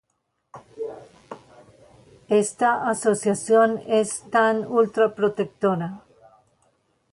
esta asociación es tan ultraprotectora